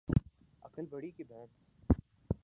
عقل بڑی کہ بھینس